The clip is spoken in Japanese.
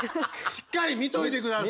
しっかり見といて下さい！